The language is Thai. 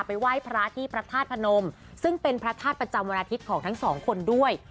ไหว้พระที่พระธาตุพนมซึ่งเป็นพระธาตุประจำวันอาทิตย์ของทั้งสองคนด้วย